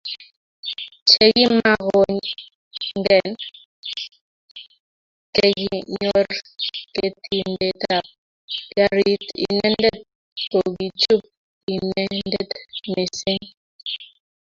Chekimakongen chekinyor ketindetap garit inendet kokichup inendet missing